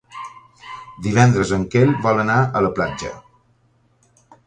Divendres en Quel vol anar a la platja.